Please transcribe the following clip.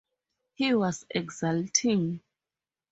He was exulting.